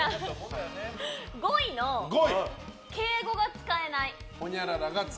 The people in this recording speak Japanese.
５位の敬語が使えない。